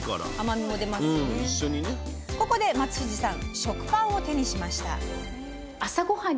ここで松藤さん